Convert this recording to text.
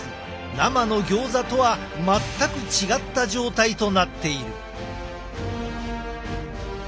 生のギョーザとは全く違った状態となっている。